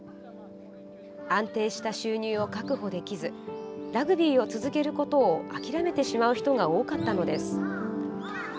安定した収入を確保できずラグビーを続けることを諦めてしまう人が多かったのです。